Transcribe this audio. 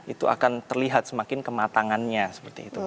itu akan terlihat semakin kematangannya seperti itu